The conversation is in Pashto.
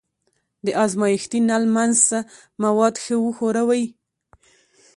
د ازمایښتي نل منځ مواد ښه وښوروئ.